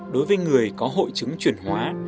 đối với người có hội chứng chuyển hóa